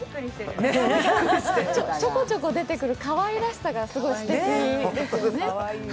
ちょこちょこ出てくるかわいらしさがすてきですよね。